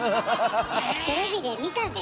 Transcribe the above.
テレビで見たで。